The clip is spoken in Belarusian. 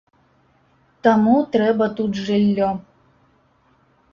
Таму трэба тут жыллё.